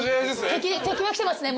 敵は来てますね